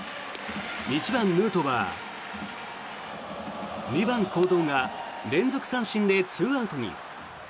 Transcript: １番、ヌートバー２番、近藤が連続三振で２アウトに。